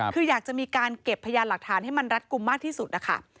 คืออยากจะมีการเก็บพยานหลักฐานให้มันรัดกลุ่มมากที่สุดนะคะ